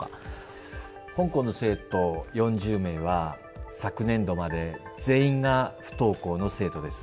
本校の生徒４０名は昨年度まで全員が不登校の生徒です。